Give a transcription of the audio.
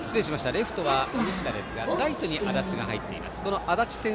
レフトは西田でライトに足立が入っています。